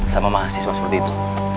sama mahasiswa seperti itu